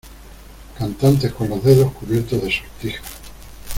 cantantes con los dedos cubiertos de sortijas